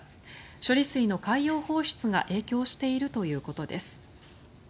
処理水の海洋放出が影響しているということです。